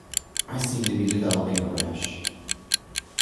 I seem to be developing a rash.